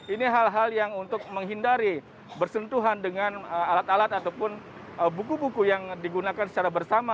ini hal hal yang untuk menghindari bersentuhan dengan alat alat ataupun buku buku yang digunakan secara bersama